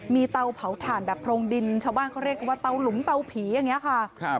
มีเตาเผาถ่านแบบโพรงดินชาวบ้านเขาเรียกกันว่าเตาหลุมเตาผีอย่างนี้ค่ะ